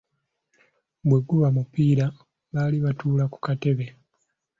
Bwe guba mupiira baali batuula ku katebe.